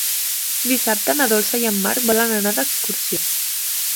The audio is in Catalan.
Dissabte na Dolça i en Marc volen anar d'excursió.